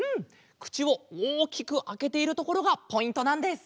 くちをおおきくあけているところがポイントなんです！